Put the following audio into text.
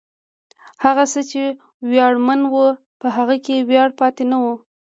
هغه څه چې ویاړمن و، په هغه کې ویاړ پاتې نه و.